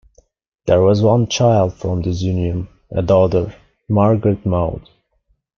There was one child from this union, a daughter, Margaret Maude.